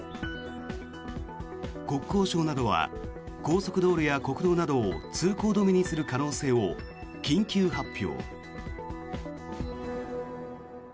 国交省などは高速道路や国道などを通行止めにする可能性を緊急発表。